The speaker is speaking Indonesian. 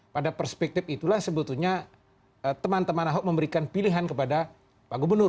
pada perspektif itulah sebetulnya teman teman ahok memberikan pilihan kepada pak gubernur